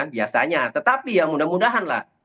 biasanya tetapi ya mudah mudahan lah